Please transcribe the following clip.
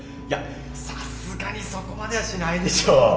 やさすがにそこまではしないでしょう。